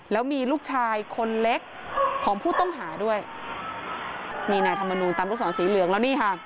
แล้วมีลูกชายคนเล็กของผู้ต้องหาด้วยนี่นายธรรมนูลตามลูกศรสีเหลืองแล้วนี่ค่ะ